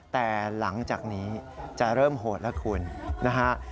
แต่หลังจากนี้จะเริ่มโหดละคุณนะครับ